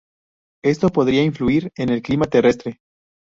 Esto podría influir en el clima terrestre.